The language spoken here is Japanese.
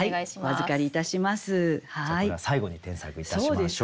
じゃあこれは最後に添削いたしましょう。